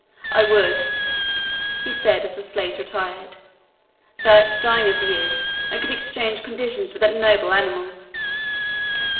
I would," he said, as the slaves retired, "that, dying as he is, I could exchange conditions with that noble animal!"